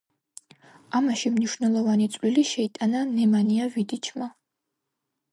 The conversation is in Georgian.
ამაში მნიშვნელოვანი წვლილი შეიტანა ნემანია ვიდიჩმა.